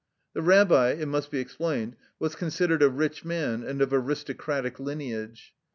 The rabbi, it must be explained, was considered a rich man and of aristocratic lineage.